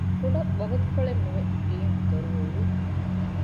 ކުޑަ ވަގުތުކޮޅެއް ނުވެ ރީމް ދޮރު ހުޅުވި